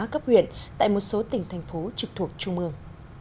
cấp huyện tại một số tỉnh thành phố trực thuộc trung ương